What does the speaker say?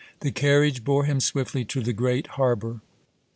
The carriage bore him swiftly to the great harbour.